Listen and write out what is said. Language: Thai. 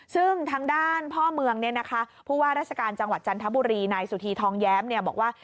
ซึ่งทางด้านพ่อเมืองผู้ว่าราชการจังหวัดจันทบุรีนายสุธีทองแย้มบอกว่า